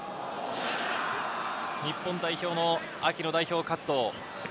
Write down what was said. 日本代表の秋の代表活動。